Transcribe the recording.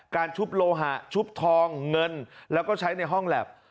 ชุบโลหะชุบทองเงินแล้วก็ใช้ในห้องแล็บ